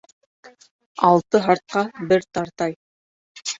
Алты һартҡа бер тартай.